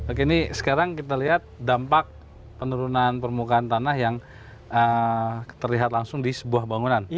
oke ini sekarang kita lihat dampak penurunan permukaan tanah yang terlihat langsung di sebuah bangunan